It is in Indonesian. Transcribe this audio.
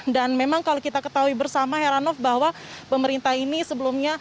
dan memang kalau kita ketahui bersama heranov bahwa pemerintah ini sebelumnya